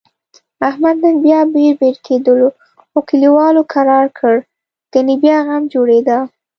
احمد نن بیا ببر ببر کېدلو، خو کلیوالو کرارکړ؛ گني بیا غم جوړیدا.